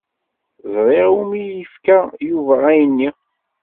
Ẓriɣ i wumi yefka Yuba ayen-nni.